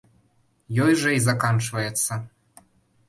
Ёй жа і заканчваецца.